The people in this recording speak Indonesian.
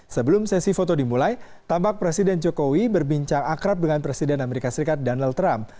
sebelum sesi foto dimulai tampak presiden jokowi berbincang akrab dengan presiden amerika serikat donald trump